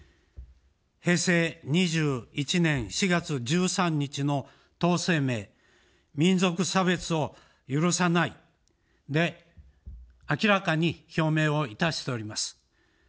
平成２１年４月１３日の党声明、民族差別を許さない、で明らかに表明をいたしております。